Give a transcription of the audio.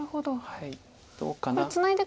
どうかな。